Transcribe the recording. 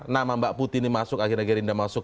nama mbak putih ini masuk akhirnya gerinda masuk